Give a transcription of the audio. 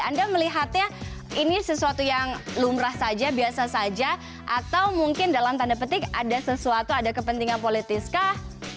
anda melihatnya ini sesuatu yang lumrah saja biasa saja atau mungkin dalam tanda petik ada sesuatu ada kepentingan politis kah